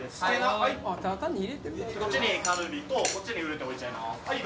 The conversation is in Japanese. こっちにカルビとこっちにウルテ置いちゃいます。